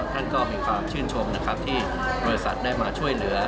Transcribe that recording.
ท่านก็มีความชื่นชมนะครับที่บริษัทได้มาช่วยเหลือ